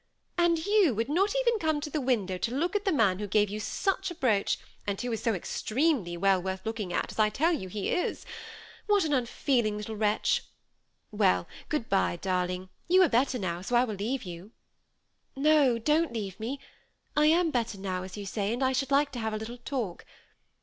And you would not even come to the window to look at the man who gave you such a brooch, and who is so extremely well worth looking at, as I tell you he is. What an unfeeling little wretch ! Well, good by, dar ling ; you are better now, so I will leaVe you." " No, don't leave me ; I am better now, as you say, and I should like to have a little talk.